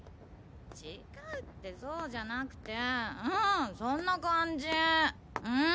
違うってそうじゃなくてうんそんな感じうん。